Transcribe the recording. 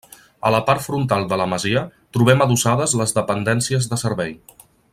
A la part frontal de la masia, trobem adossades les dependències de servei.